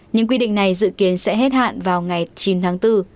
những quy định này dự kiến sẽ hết hạn vào ngày chín tháng bốn